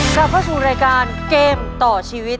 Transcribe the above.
กลับเข้าสู่รายการเกมต่อชีวิต